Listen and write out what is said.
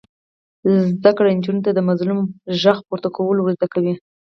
زده کړه نجونو ته د مظلوم غږ پورته کول ور زده کوي.